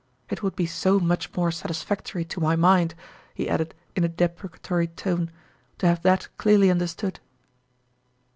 It would be so much more satisfactory to my mind," he added, in a de precatory tone, "to have that clearly under stood."